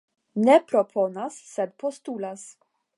Ne proponas sed postulas.